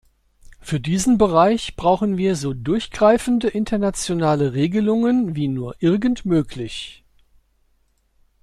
Für diesen Bereich brauchen wir so durchgreifende internationale Regelungen wie nur irgend möglich.